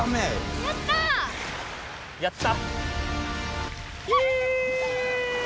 あやった！